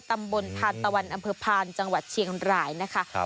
ตำบลพานตะวันอำเภอพานจังหวัดเชียงรายนะคะ